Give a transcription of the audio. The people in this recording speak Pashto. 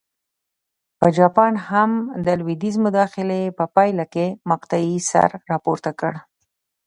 په جاپان هم د لوېدیځ مداخلې په پایله کې مقطعې سر راپورته کړ.